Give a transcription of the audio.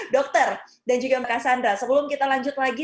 dokter dan juga mbak cassandra sebelum kita lanjut lagi